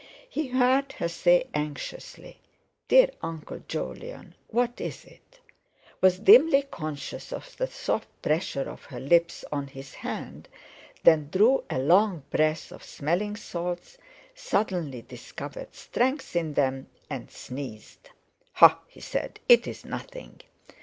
He heard her say anxiously: "Dear Uncle Jolyon, what is it?" was dimly conscious of the soft pressure of her lips on his hand; then drew a long breath of smelling salts, suddenly discovered strength in them, and sneezed. "Ha!" he said, "it's nothing.